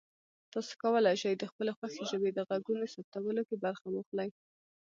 تاسو کولی شئ د خپلې خوښې ژبې د غږونو ثبتولو کې برخه واخلئ.